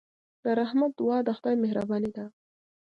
د رحمت دعا د خدای مهرباني ده.